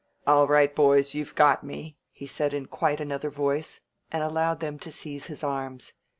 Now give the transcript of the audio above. "All right, boys, you've got me," he said in quite another voice, and allowed them to seize his arms.